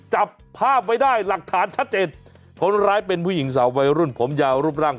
จับภาพไว้ได้หลักฐานชัดเจนคนร้ายเป็นผู้หญิงสาววัยรุ่นผมยาวรูปร่าง